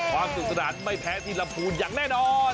ความสุขสดันไม่แพ้ที่ลำภูตอย่างแน่นอน